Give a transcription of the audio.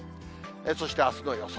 そしてあすの予想